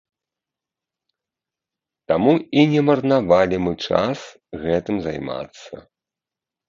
Таму і не марнавалі мы час гэтым займацца.